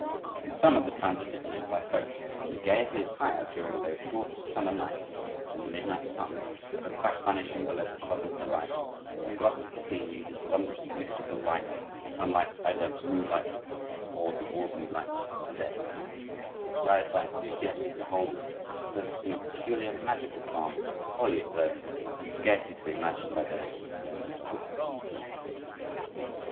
In summer the transit is made by boat, and the gaiety is higher during those gorgeous summer nights, when the midnight sun, never quite vanishing below the southern horizon, floods the scene with its wondrous, mystical light, unlike either moonlight or the ordinary light of day, but described by enthusiastic beholders as possessing a peculiar, magical charm wholly its own and scarcely to be imagined by those who have never witnessed it.